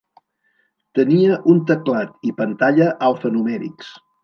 Tenia un teclat i pantalla alfanumèrics.